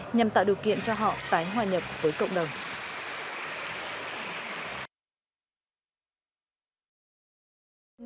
nhằm tạo điều kiện cho họ tái hòa nhập với cộng đồng